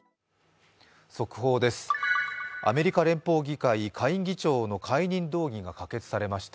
速報です、アメリカ連邦議会下院議長の解任動議が可決されました。